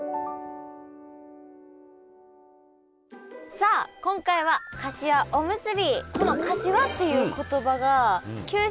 さあ今回はかしわおむすび。